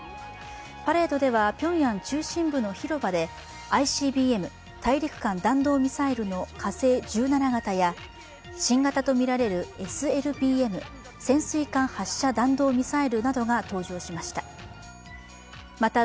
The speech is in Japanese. パレードではピョンヤン中心部の広場でＩＣＢＭ＝大陸間弾道ミサイルの火星１７型や、新型とみられるＳＬＢＭ＝潜水艦発射弾道ミサイルなどが登場しました。